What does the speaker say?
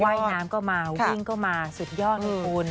ว่ายน้ำก็มาวิ่งก็มาสุดยอดไงคุณ